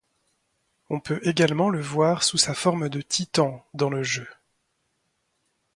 On peut également le voir sous sa forme de Titan dans le jeu.